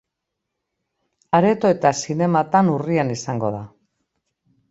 Areto eta zinematan urrian izango da.